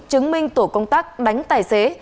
chứng minh tổ công tác đánh tài xế